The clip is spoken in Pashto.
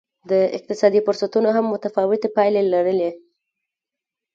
د اقتصادي فرصتونو هم متفاوتې پایلې لرلې.